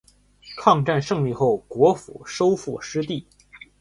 抗战胜利后国府收复失地。